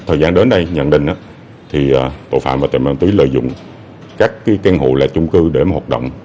thời gian đến nay nhận định tội phạm và tài nạn ma túy lợi dụng các căn hộ là chung cư để hoạt động